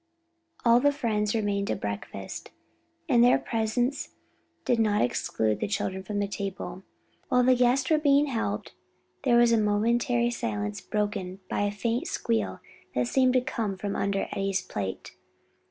All the friends remained to breakfast, but their presence did not exclude the children from the table. While the guests were being helped, there was a momentary silence broken by a faint squeal that seemed to come from under Eddie's plate.